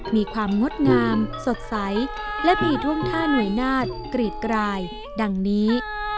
งดงามสดใสและมีท่วงท่านวยนาฏกรีดกรายดังนี้